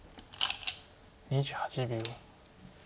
２８秒。